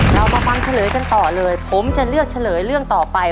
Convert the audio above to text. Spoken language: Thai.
เรามาฟังเฉลยกันต่อเลยผมจะเลือกเฉลยเรื่องต่อไป